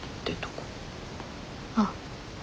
あっ。